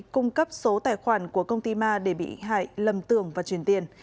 cung cấp số tài khoản của công ty ma để bị hại lầm tưởng và truyền tiền